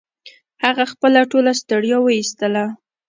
هغه خپله ټوله ستړيا و ایستله